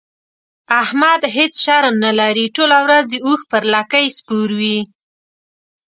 احمد هيڅ شرم نه لري؛ ټوله ورځ د اوښ پر لکۍ سپور وي.